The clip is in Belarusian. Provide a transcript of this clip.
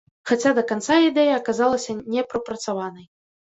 Хаця да канца ідэя аказалася не прапрацаванай.